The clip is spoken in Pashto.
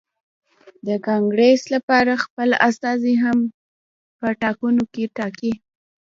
د کانګرېس لپاره خپل استازي هم په ټاکنو کې ټاکي.